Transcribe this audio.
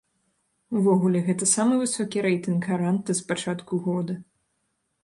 Увогуле, гэта самы высокі рэйтынг гаранта з пачатку года.